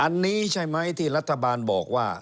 อันนี้ใช่ไหมที่รัฐบาลบอกว่า